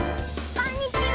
こんにちは。